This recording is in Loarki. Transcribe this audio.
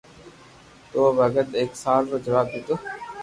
تو او ڀگت اي سال رو جواب ديديو